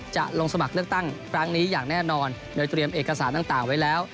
จะลงสมัครเลือกตั้งครั้งนี้อย่างแน่นอนโดยเตรียมเอกสารต่างไว้แล้ว